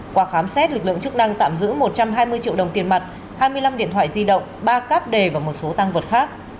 qua khám xét lực lượng chức năng tạm giữ một trăm hai mươi triệu đồng tiền mặt hai mươi năm điện thoại di động ba cáp đề và một số tăng vật khác